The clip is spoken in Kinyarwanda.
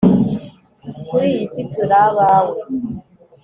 kuri iyi si turi abawe